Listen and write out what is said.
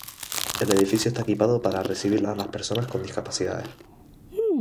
El edificio está equipado para recibir a las personas con discapacidades.